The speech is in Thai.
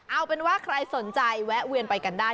เอาเป็นว่าใครสนใจแวะเวียนไปกันได้